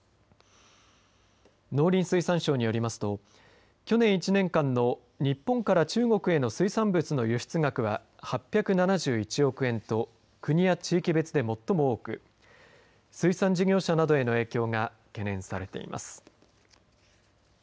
農林水産省によりますと去年１年間の日本から中国への水産物の輸出額は８７１億円と国や地域別で最も多く水産事業者などへの影響が懸念されています。